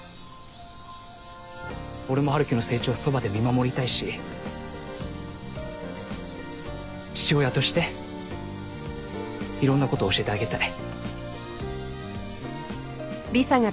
俺も春樹の成長をそばで見守りたいし父親としていろんなことを教えてあげたい。